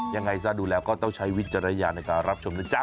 ยังไงซะดูแล้วก็ต้องใช้วิจารณญาณในการรับชมนะจ๊ะ